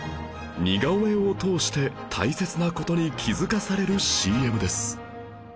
似顔絵を通して大切な事に気づかされる ＣＭ です